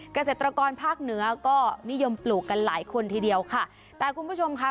เกษตรกรภาคเหนือก็นิยมปลูกกันหลายคนทีเดียวค่ะแต่คุณผู้ชมค่ะ